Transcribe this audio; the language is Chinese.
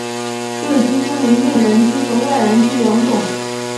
热机分为内燃机和外燃机两种。